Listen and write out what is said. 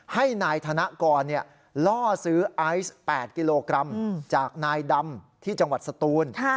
ให้นายธนกรล่อซื้อไอซ์๘กิโลกรัมจากนายดำที่จังหวัดสตูน